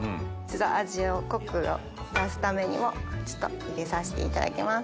味を濃く出すためにもちょっと入れさせていただきます。